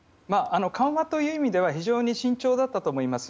緩和という意味では非常に慎重だったと思います。